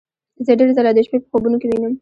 زه ډیر ځله د شپې په خوبونو کې وینم